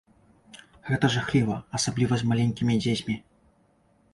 Гэта жахліва, асабліва з маленькімі дзецьмі.